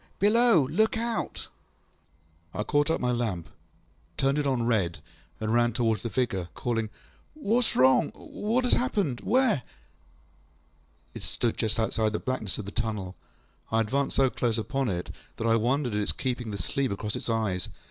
Below there! Look out! ŌĆÖ I caught up my lamp, turned it on red, and ran towards the figure, calling, ŌĆśWhatŌĆÖs wrong? What has happened? Where? ŌĆÖ It stood just outside the blackness of the tunnel. I advanced so close upon it that I wondered at its keeping the sleeve across its eyes.